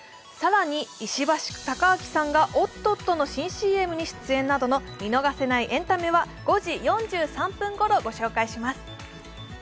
更に石橋貴明さんがおっとっとの新ＣＭ出演などの見逃せないエンタメは５時４３分ごろ紹介します。